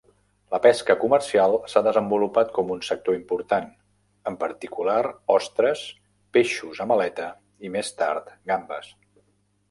La pesca comercial s'ha desenvolupat com un sector important, en particular, ostres, peixos amb aleta i, més tard, gambes.